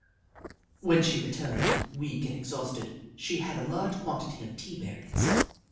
Jenny Ragtail 183 When she returned, weak and exhausted, she had a large quantity of teaberries.